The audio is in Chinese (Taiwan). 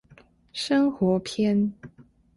生活篇